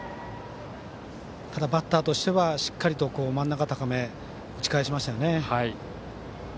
ただバッターとしてはしっかりと真ん中高め打ち返しましたよね。